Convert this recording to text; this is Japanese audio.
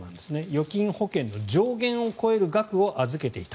預金保険の上限を超える額を預けていた。